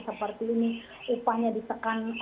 seperti ini upahnya disekan